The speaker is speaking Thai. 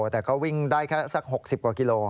แต่ก็วิ่งได้แค่สัก๖๐กว่ากิโล